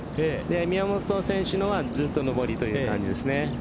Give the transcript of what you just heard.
宮本選手のはずっと上りという感じですね。